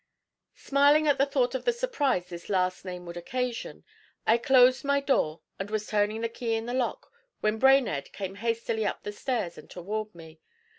Smiling at the thought of the surprise this last name would occasion, I closed my door and was turning the key in the lock when Brainerd came hastily up the stairs and toward me.